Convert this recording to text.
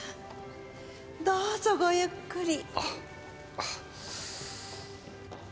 どうぞごゆっくり。